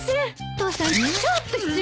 父さんちょっと失礼。